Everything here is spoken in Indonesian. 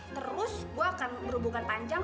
terus gue akan berhubungan panjang